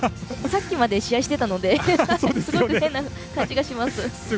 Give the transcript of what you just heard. さっきまで、試合をしてたのですごく変な感じがします。